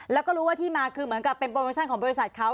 แล้วก็รู้ว่าที่มาคือเหมือนกับเป็นโปรโมชั่นของบริษัทเขา